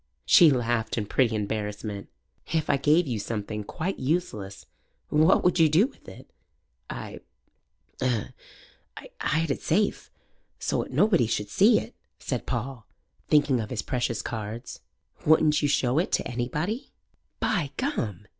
She laughed in pretty embarrassment. "If I gave you something quite useless, what would you do with it?" "I 'u'd hide it safe, so 'ut nobody should see it," said Paul, thinking of his precious cards. "Wouldn't you show it to anybody?" "By Gum!